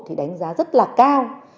thì đánh giá rất là cao